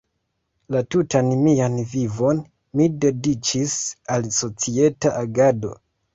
La tutan mian vivon mi dediĉis al societa agado.